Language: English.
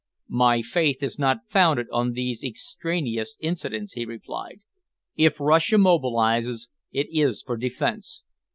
"My faith is not founded on these extraneous incidents," he replied. "If Russia mobilises, it is for defence.